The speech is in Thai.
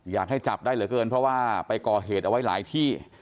อยากให้จับได้เหลือเกินเพราะว่าไปก่อเหตุเอาไว้หลายที่